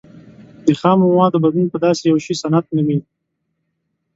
د خامو موادو بدلون په داسې یو شي صنعت نومیږي.